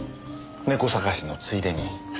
猫探しのついでに。